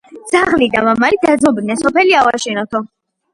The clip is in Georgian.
ძაღლი და მამალი დაძმობილდენ: სოფელი ავაშენოთო.